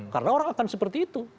karena orang akan seperti itu